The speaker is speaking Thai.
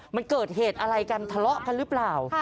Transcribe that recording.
มันเกิดเหตุอะไรกันทะเลาะกันหรือเปล่า